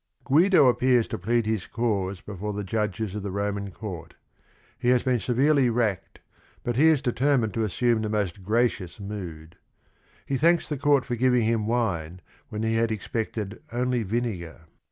Guido appears to plead his cause before the jiifW t rrt th° hnm nn miir r.. He has been severely racked, but he is determined to assume the most gracious mood. He thanks the court for giving him wine when he had expected only vinegar.